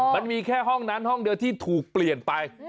มันมีแค่ห้องนั้นห้องเดียวที่ถูกเปลี่ยนไป